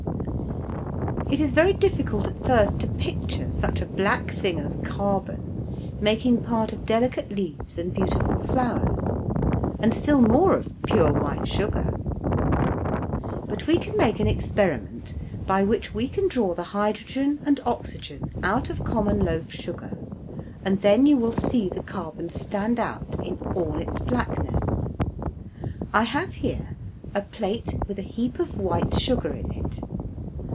It is very difficult at first to picture such a black thing as carbon making part of delicate leaves and beautiful flowers, and still more of pure white sugar. But we can make an experiment by which we can draw the hydrogen and oxygen out of common loaf sugar, and then you will see the carbon stand out in all its blackness. I have here a plate with a heap of white sugar in it.